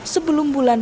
sebelum bulan bulan